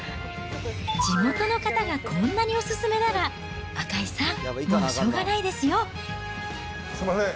地元の方がこんなにお勧めなら、赤井さん、もうしょうがないすみません。